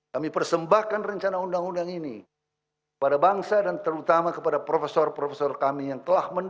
kami persembahkan rencana undang undang ini kepada bangsa dan terutama kepada profesor profesor kami yang berada di depan ini